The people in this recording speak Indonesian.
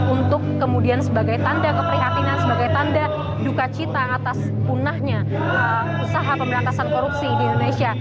untuk kemudian sebagai tanda keprihatinan sebagai tanda duka cita atas punahnya usaha pemberantasan korupsi di indonesia